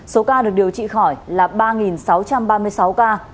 số ca được điều trị khỏi là ba sáu trăm ba mươi sáu ca